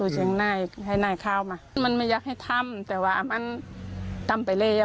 จะให้ไห้ในเข้ามามันมันไม่ยากให้ทำแต่ว่ามันต้ำไปเลย